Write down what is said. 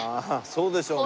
そうでしょうね。